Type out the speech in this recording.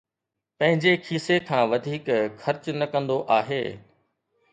پنهنجي کيسي کان وڌيڪ خرچ نه ڪندو آهي